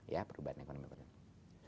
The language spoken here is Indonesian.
ya perubahan ekonomi kita